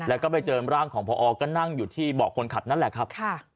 แล้วก็ไปเจอร่างของพอก็นั่งอยู่ที่เบาะคนขับนั่นแหละครับ